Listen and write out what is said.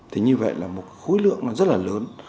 thì như vậy là một khối lượng nó rất là lớn